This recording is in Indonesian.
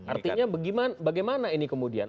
artinya bagaimana ini kemudian